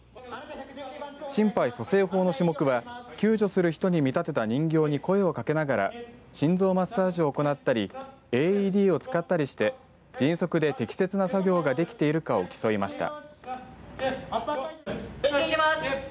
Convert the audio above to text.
心肺蘇生法の種目は救助する人に見立てた人形に声をかけながら心臓マッサージを行ったりＡＥＤを使ったりして迅速で適切な作業ができているかを競いました。